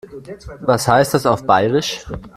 Was heißt das auf Bairisch?